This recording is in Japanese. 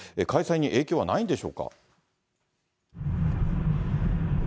開催に影響はないんでしょうか。